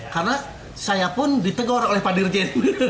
karena saya pun ditegur oleh pak dirjen